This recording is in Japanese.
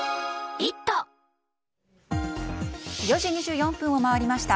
４時２４分を回りました。